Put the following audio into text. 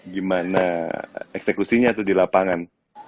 gimana eksekusinya tuh di lapangan